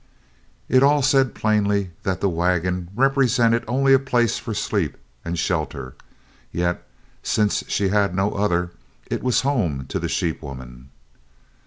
It all said plainly that the wagon represented only a place for sleep and shelter, yet, since she had no other, it was home to the sheep woman.